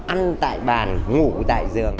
ăn tại bàn ngủ tại giường